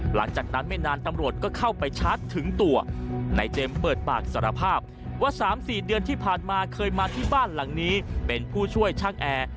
หลังจากนั้นไม่นานตำรวจก็เข้าไปชาร์จถึงตัวนายเจมส์เปิดปากสารภาพว่า๓๔เดือนที่ผ่านมาเคยมาที่บ้านหลังนี้เป็นผู้ช่วยช่างแอร์